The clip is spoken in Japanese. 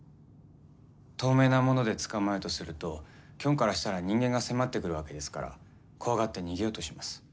透明なもので捕まえようとするとキョンからしたら人間が迫ってくるわけですから怖がって逃げようとします。